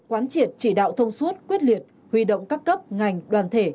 quán triệt chỉ đạo thông suốt quyết liệt huy động các cấp ngành đoàn thể